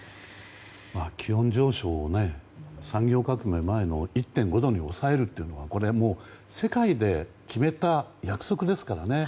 気温上昇を産業革命前の１．５度に抑えるというのはこれは世界で決めた約束ですからね。